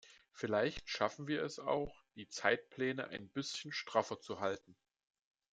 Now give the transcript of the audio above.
Vielleicht schaffen wir es auch, die Zeitpläne ein bisschen straffer zu halten.